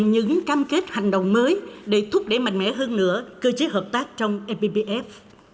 chúng ta sẽ đặt những cam kết hành động mới để thúc đẩy mạnh mẽ hơn nữa cơ chế hợp tác trong appf